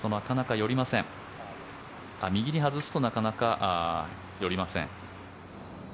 右に外すとなかなか寄りません。